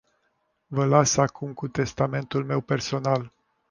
Vă las acum cu testamentul meu personal.